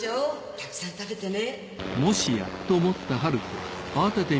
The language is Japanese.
たくさん食べてね！